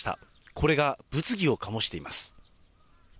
これが物議を醸しています。